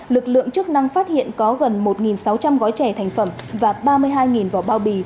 lực lượng chức năng phát hiện có gần một sáu trăm linh gói trẻ thành phẩm và ba mươi hai vỏ bao bì